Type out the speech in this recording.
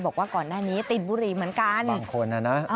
บอกว่าก่อนหน้านี้ติดบุหรี่เหมือนกัน๑คนนะนะ